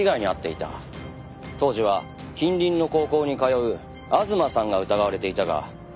当時は近隣の高校に通う吾妻さんが疑われていたが。